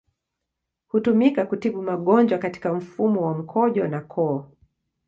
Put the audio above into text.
Hutumika kutibu magonjwa katika mfumo wa mkojo na koo.